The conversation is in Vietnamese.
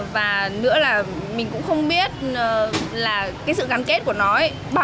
và nữa là mình cũng không biết sự gắn kết của nó bao xa đến nước ngoài hay không